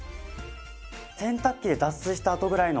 洗濯機で脱水したあとぐらいの。